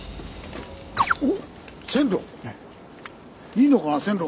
いいのかな線路。